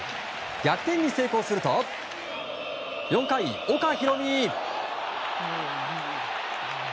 逆転に成功すると４回、岡大海。